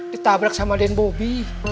ditabrak sama den bobby